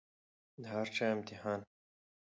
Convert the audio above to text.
د هر چا امتحان